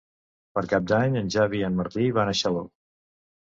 Per Cap d'Any en Xavi i en Martí van a Xaló.